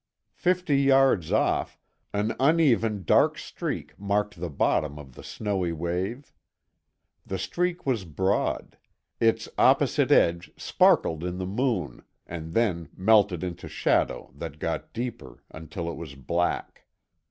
Fifty yards off, an uneven dark streak marked the bottom of the snowy wave. The streak was broad; its opposite edge sparkled in the moon and then melted into shadow that got deeper until it was black.